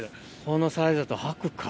このサイズだとハクか。